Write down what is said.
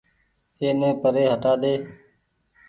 اي ني پري هٽآ ۮي ۔